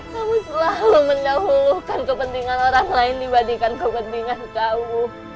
kamu selalu mendahulukan kepentingan orang lain dibandingkan kepentingan kamu